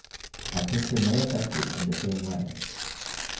A picture may affect you in the same way.